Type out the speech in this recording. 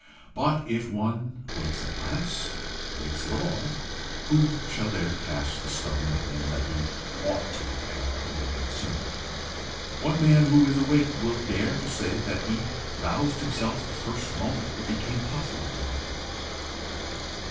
But if one wakes at last, wakes at all, who shall dare cast the stone at him that he ought to have awaked sooner? What man who is awake will dare to say that he roused himself the first moment it became possible to him?